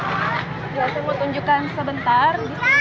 saya mau tunjukkan sebentar